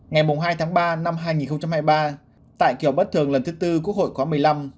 ngày hai tháng ba năm hai nghìn hai mươi ba tại kỳ bất thường lần thứ tư quốc hội khóa một mươi năm